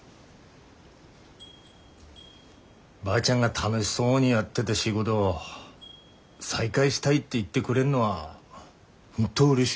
ばあちゃんが楽しそうにやってだ仕事を再開したいって言ってくれんのは本当うれしいよ。